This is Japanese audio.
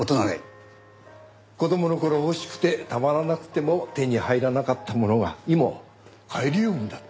子供の頃欲しくてたまらなくても手に入らなかったものが今は買えるようになった。